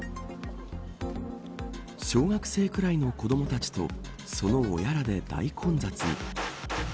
小学生くらいの子どもたちとその親らで大混雑。